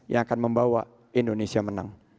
yang akan membawa indonesia menang